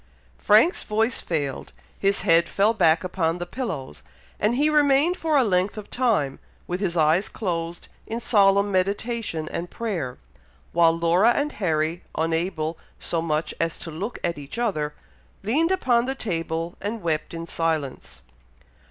'" Frank's voice failed, his head fell back upon the pillows, and he remained for a length of time, with his eyes closed in solemn meditation and prayer, while Laura and Harry, unable so much as to look at each other, leaned upon the table, and wept in silence.